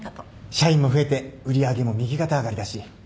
社員も増えて売り上げも右肩上がりだし